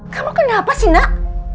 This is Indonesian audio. kamu kenapa sih nak